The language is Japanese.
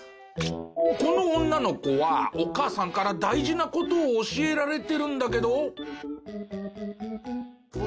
この女の子はお母さんから大事な事を教えられてるんだけど。